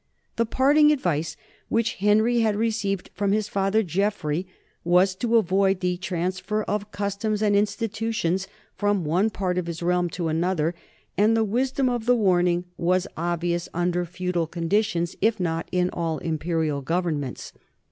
The parting advice which Henry had received from his father Geoffrey was to avoid the trans fer of customs and institutions from one part of his realm to another, and the wisdom of the warning was obvious under feudal conditions, if not in all imperial governments.